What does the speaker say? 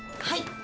はい。